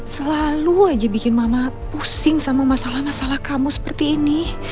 selalu aja bikin mama pusing sama masalah masalah kamu seperti ini